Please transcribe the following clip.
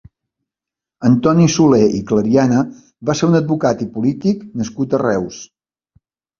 Antoni Soler i Clariana va ser un advocat i polític nascut a Reus.